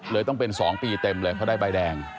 ต้องเป็น๒ปีเต็มเลยเพราะได้ใบแดง